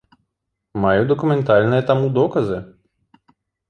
Маю дакументальныя таму доказы.